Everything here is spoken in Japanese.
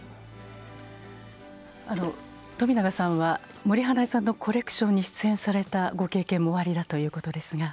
冨永さんは森英恵さんのコレクションに出演されたご経験もおありだということですが。